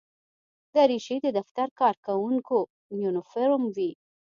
دریشي د دفتر کارکوونکو یونیفورم وي.